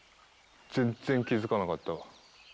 全然気付かなかったわ。